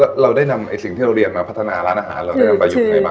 แล้วเราได้นำสิ่งที่เราเรียนมาพัฒนาร้านอาหารเราได้มาอยู่ยังไงบ้าง